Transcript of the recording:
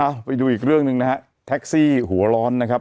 เอาไปดูอีกเรื่องหนึ่งนะฮะแท็กซี่หัวร้อนนะครับ